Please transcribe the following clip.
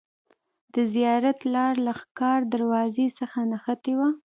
د زیارت لار له ښکار دروازې څخه نښتې وه.